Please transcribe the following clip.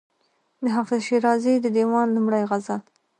د حافظ شیرازي د دېوان لومړی غزل.